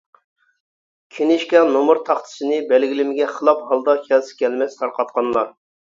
كىنىشكا، نومۇر تاختىسىنى بەلگىلىمىگە خىلاپ ھالدا كەلسە-كەلمەس تارقاتقانلار.